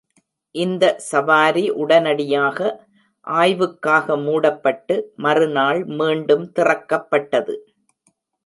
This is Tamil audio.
இந்த சவாரி உடனடியாக ஆய்வுக்காக மூடப்பட்டு மறுநாள் மீண்டும் திறக்கப்பட்டது.